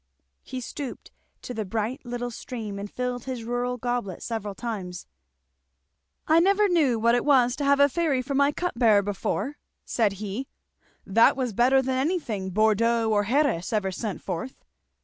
He stooped to the bright little stream and filled his rural goblet several times. "I never knew what it was to have a fairy for my cup bearer before," said he. "That was better than anything Bordeaux or Xeres ever sent forth."